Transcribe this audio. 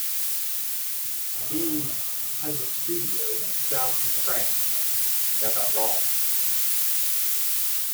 He has a studio in the South of France in Navarrenx.